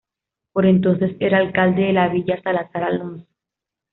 Por entonces era alcalde de la Villa, Salazar Alonso.